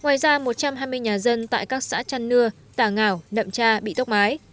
ngoài ra một trăm hai mươi nhà dân tại các xã trăn nưa tà ngảo nậm cha bị tốc mái